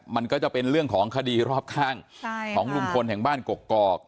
มันก็จะเป็นเรื่องของคดีรอบข้างของลุงพลแห่งบ้านกกอก